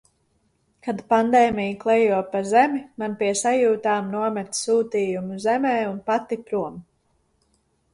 Kad pandēmija klejo pa zemi, man pie sajūtām nomet sūtījumu zemē un pati prom.